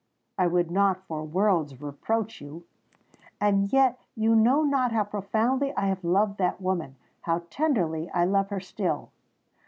"I would not for worlds reproach you—and yet you know not how profoundly I have loved that woman—how tenderly I love her still!